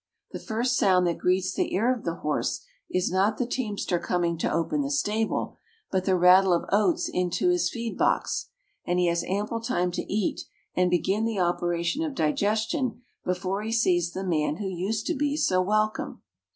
The first sound that greets the ear of the horse is not the teamster coming to open the stable, but the rattle of oats into his feed box, and he has ample time to eat and begin the operation of digestion before he sees the man who used to be so welcome.